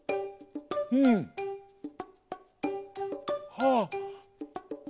はあ。